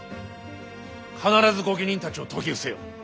必ず御家人たちを説き伏せよ。